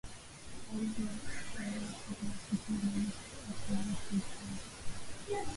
Za enzi ya barafu iliyopita iliyonyosha uso wa nchi ikiacha